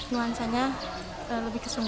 nuansanya lebih ke sunda